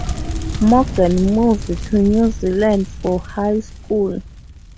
Morgan moved to New Zealand for high school.